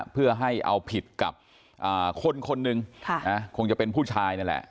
เพื่อให้เอาผิดกับคนคนหนึ่งคงจะเป็นผู้ชายนั่นแหละ